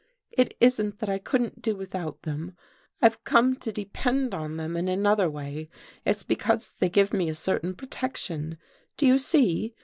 It isn't that I couldn't do without them, I've come to depend on them in another way. It's because they give me a certain protection, do you see?